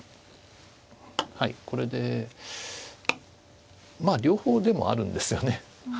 はいこれでまあ両方でもあるんですよね。